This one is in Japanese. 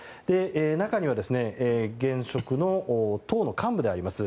中には現職の党の幹部であります